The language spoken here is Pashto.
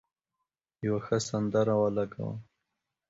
یو ښه سندره ولګوه.